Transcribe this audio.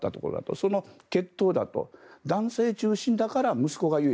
その血統だと男性中心だから息子が優位。